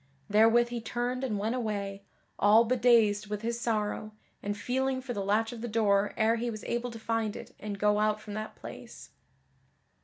Therewith he turned and went away, all bedazed with his sorrow, and feeling for the latch of the door ere he was able to find it and go out from that place.